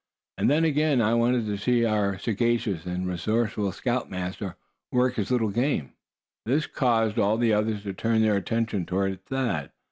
And then again, I want to see how our sagacious and resourceful scoutmaster works his little game." This caused all the others to turn their attention toward Thad.